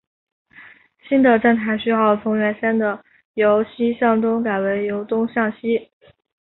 新的站台序号从原先的由西向东改为由东向西。